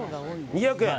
２００円。